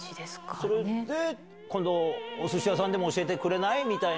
それで、今度おすし屋さんでも教えてくれない？みたいな。